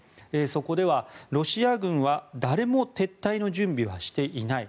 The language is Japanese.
そこでは、ロシア軍は誰も撤退の準備はしていない。